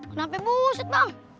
kenapa buset bang